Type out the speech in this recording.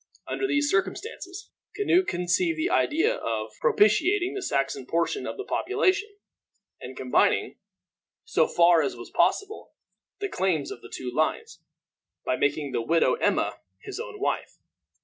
Under these circumstances, Canute conceived the idea of propitiating the Saxon portion of the population, and combining, so far as was possible, the claims of the two lines, by making the widow Emma his own wife.